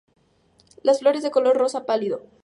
Las flores de color rosa pálido.